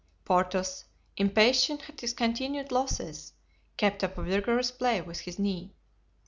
Porthos, impatient at his continued losses, kept up a vigorous play with his knee.